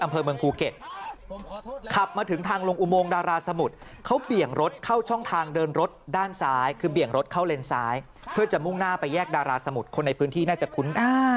เพื่อจะมุ่งหน้าไปแยกดาราสมุดคนในพื้นที่น่าจะคุ้น